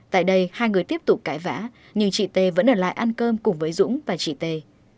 tại đây hai người tiếp tục cãi vã nhưng chị tây vẫn ở lại ăn cơm cùng với dũ và chị tây